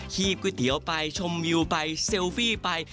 ีบก๋วยเตี๋ยวไปชมวิวไปเซลฟี่ไป